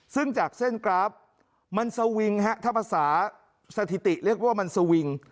ซึ่งจากเส้นกราฟมันสวิงฮะถ้าภาษาสถิติเรียกว่ามันสวิง